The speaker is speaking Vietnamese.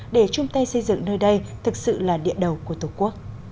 để chung tay xây dựng nơi đây thực sự là địa đầu của tổ quốc